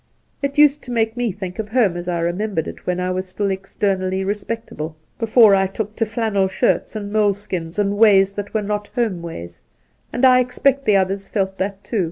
It used to make me think of home as I remembered it when I was still externally respectable — ^before I took to flannel shirts and moleskins, and ways that were not home ways ; and I expect the others felt that too.